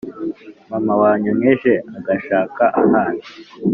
Mama wanyonkeje agashaka ahandi